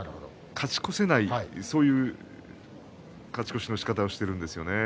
勝ち越せないそういう勝ち越しのしかたをしているんですよね。